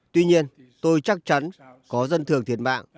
tuy nhiên tôi chắc chắn có dân thường thiệt mạng